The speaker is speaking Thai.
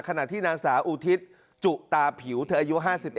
ขณะที่นางสาวอุทิศจุตาผิวเธออายุ๕๑